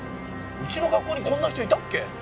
うちの学校にこんな人いたっけ？